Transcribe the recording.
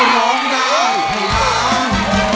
ร้องได้ให้ล้าน